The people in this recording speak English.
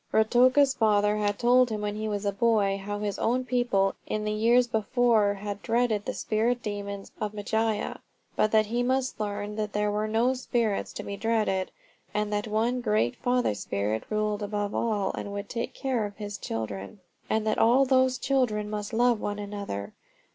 Ruatoka's father had told him when he was a boy how his own people in the years before had dreaded the spirit demons of Mangaia, but that he must learn that there were no spirits to be dreaded; that one great Father Spirit ruled above all, and would take care of His children, and that all those children must love one another.